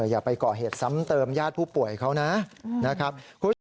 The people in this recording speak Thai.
อย่าไปก่อเหตุซ้ำเติมญาติผู้ป่วยเขานะครับ